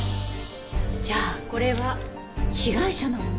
じゃあこれは被害者のもの。